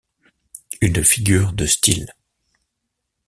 Une figure de style.